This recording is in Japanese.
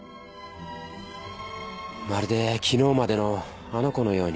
まるで昨日までのあの子のように。